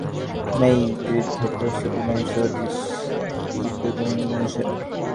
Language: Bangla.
রেলিংটা ধরে মুক্ত চলাচলের তৃপ্তি নেয় বৃদ্ধ, প্রসূতি নারীসহ দৃষ্টি প্রতিবন্ধী মানুষেরা।